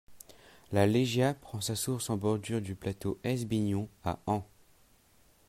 La Légia prend sa source en bordure du plateau hesbignon, à Ans.